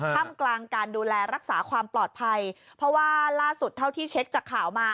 ทำกลางการดูแลรักษาความปลอดภัยเพราะว่าล่าสุดเท่าที่เช็คจากข่าวมา